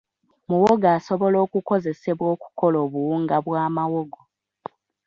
Muwogo asobola okukozesebwa okukola obuwunga bwa mawogo.